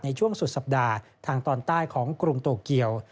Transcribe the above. ในช่วงสุดสัปดาห์ทางตอนใต้ของกรุงโตเกียว